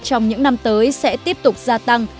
trong những năm tới sẽ tiếp tục gia tăng